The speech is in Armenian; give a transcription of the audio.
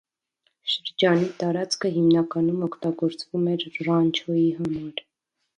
Շրջանի տարածքը հիմնականում օգտագործվում էր ռանչոյի համար։